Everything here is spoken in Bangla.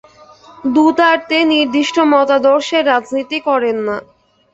দুতার্তে নির্দিষ্ট মতাদর্শের রাজনীতি করেন না।